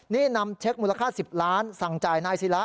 นี่นำเช็คมูลค่า๑๐ล้านสั่งจ่ายนายศิระ